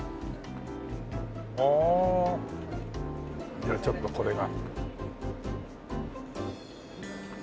じゃあちょっとこれが。